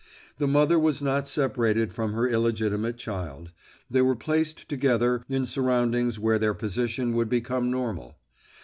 The mother was not separated from her illegitimate child; they were placed together in surroundings where their position would become normal.